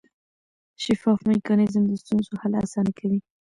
شفاف میکانیزم د ستونزو حل اسانه کوي.